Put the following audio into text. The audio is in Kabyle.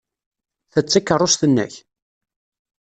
Ta d takeṛṛust-nnek?